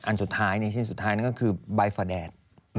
อันสุดท้ายในชิ้นสุดท้ายน่ะคือบั้ยฝะแดด